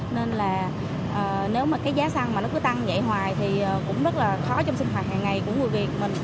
nên là nếu mà cái giá xăng mà nó cứ tăng dậy hoài thì cũng rất là khó trong sinh hoạt hàng ngày của người việt